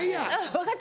分かった。